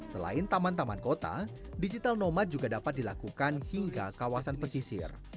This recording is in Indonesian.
selain taman taman kota digital nomad juga dapat dilakukan hingga kawasan pesisir